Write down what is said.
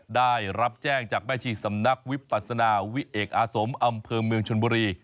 ได้รับแจ้งจากแม่ชีสำนักวิปัสนาวิเอกอาสมอำเภอเมืองชนบุรี